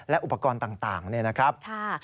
และอุปกรณ์ต่างนะครับ